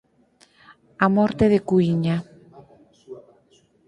A morte de Cuíña